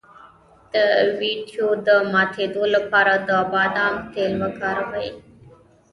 د ویښتو د ماتیدو لپاره د بادام تېل وکاروئ